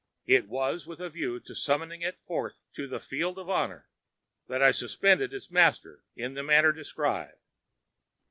It was with a view to summoning it forth to the field of honor that I suspended its master in the manner described.